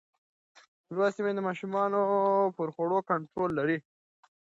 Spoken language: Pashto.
لوستې میندې د ماشوم پر خوړو کنټرول لري.